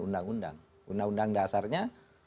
undang undang undang undang dasarnya